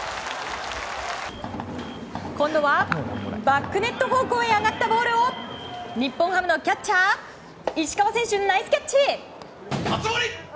今度は、バックネット方向へ上がったボールを日本ハムのキャッチャー石川選手、ナイスキャッチ！